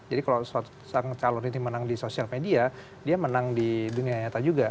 jadi kalau seorang calon ini menang di sosial media dia menang di dunia nyata juga